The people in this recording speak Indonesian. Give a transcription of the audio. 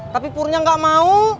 tapi purnya gak mau